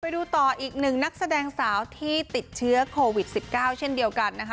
ไปดูต่ออีกหนึ่งนักแสดงสาวที่ติดเชื้อโควิด๑๙เช่นเดียวกันนะคะ